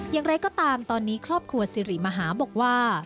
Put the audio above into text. อย่างไรก็ตามตอนนี้ครอบครัวสิริมหาบอกว่า